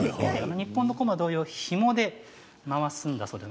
日本のこま同様ひもで回すんだそうです。